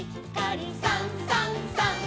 「さんさんさん」